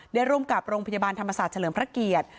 ร่วมกับโรงพยาบาลธรรมศาสตร์เฉลิมพระเกียรติ